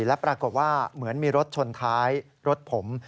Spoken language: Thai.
และปรากฏว่าเหมือนมีรถชนท้ายรถผม